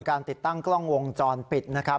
ติดตั้งกล้องวงจรปิดนะครับ